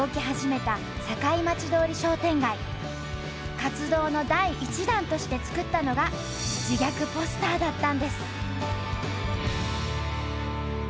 活動の第１弾として作ったのが自虐ポスターだったんです。